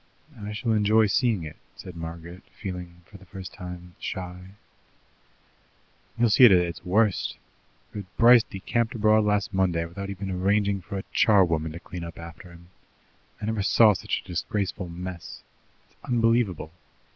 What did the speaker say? "I shall enjoy seeing it," said Margaret, feeling, for the first time, shy. "You'll see it at its worst, for Bryce decamped abroad last Monday without even arranging for a charwoman to clear up after him. I never saw such a disgraceful mess. It's unbelievable.